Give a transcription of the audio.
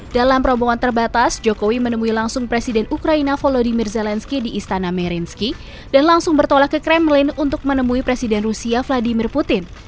dalam rombongan terbatas jokowi menemui langsung presiden ukraina volodymyr zelensky di istana merinski dan langsung bertolak ke kremlin untuk menemui presiden rusia vladimir putin